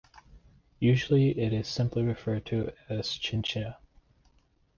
Usually, it is simply referred to as Chincha.